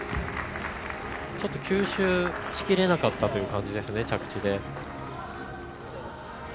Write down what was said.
ちょっと吸収し切れなかったという感じですね、着地で。